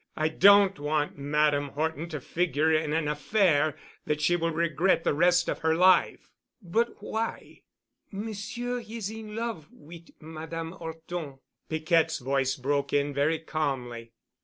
I don't want Madame Horton to figure in an affair that she will regret the rest of her life." "But why——?" "Monsieur is in love wit' Madame 'Orton——" Piquette's voice broke in very calmly.